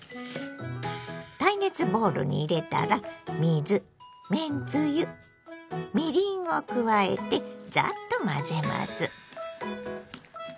耐熱ボウルに入れたら水めんつゆみりんを加えてザッと混ぜます。